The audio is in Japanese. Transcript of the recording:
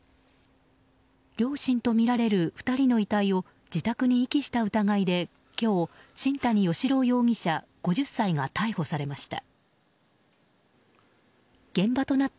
両親とみられる２人の遺体を自宅に遺棄した疑いで今日、新谷嘉朗容疑者５０歳が逮捕されました。